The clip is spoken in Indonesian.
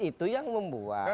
itu yang membuat